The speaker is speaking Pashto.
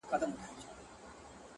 o پردۍ موچڼه پر پښه معلومېږي.